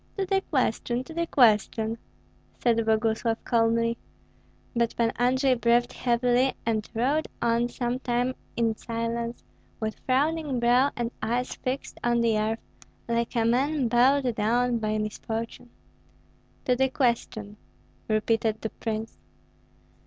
"To the question, to the question!" said Boguslav, calmly. But Pan Andrei breathed heavily, and rode on some time in silence, with frowning brow and eyes fixed on the earth, like a man bowed down by misfortune. "To the question!" repeated the prince.